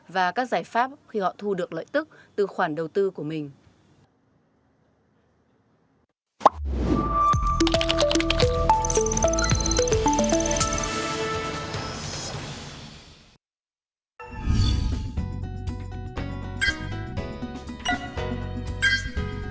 và các giải pháp khi họ thu được lợi tức từ khoản đầu tư của mình